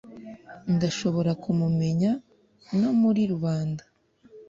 Ndashobora kumumenya no muri rubanda.